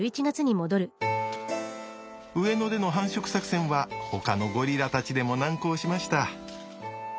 上野での繁殖作戦はほかのゴリラたちでも難航しました。